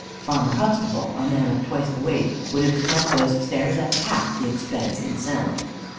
Farmer Huxtable, a man of twice the weight, would have come up those stairs at half the expense in sound.